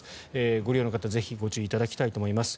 ご利用の方ぜひご注意いただきたいと思います。